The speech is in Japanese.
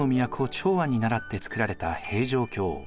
長安にならってつくられた平城京。